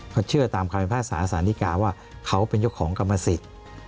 เขาเชื่อตามความภาษาสาริกาว่าเขาเป็นของกรรมสิทธิ์